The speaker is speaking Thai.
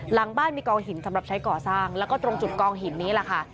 หลังบ้านมีกองหินสำหรับใช้ก่อสร้างแล้วก็ตรงจุดกองหินนี้แหละค่ะ